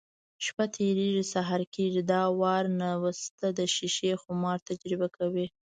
شپه تېرېږي، سهار کېږي. دا وار نستوه د شیشې خمار تجربه کوي: